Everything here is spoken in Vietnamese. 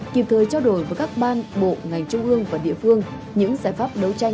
kịp thời trao đổi với các ban bộ ngành trung ương và địa phương những giải pháp đấu tranh